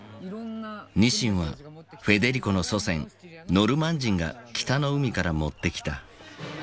ニシンはフェデリコの祖先ノルマン人が北の海から持ってきた。